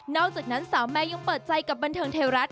อกจากนั้นสาวแมนยังเปิดใจกับบันเทิงไทยรัฐ